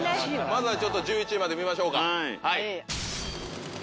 まずは１１位まで見ましょうかはい。